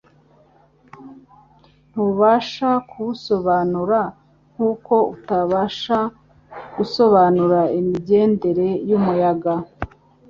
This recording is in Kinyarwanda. Ntubasha kuwusobanura nkuko utabasha gusobanura imigendere y’umuyaga